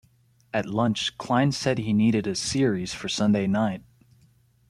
At lunch Klein said he needed a series for Sunday night.